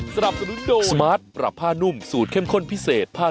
สวัสดีครับข้าวใส่ไข่สด